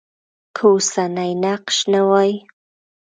که اوسنی نقش نه وای.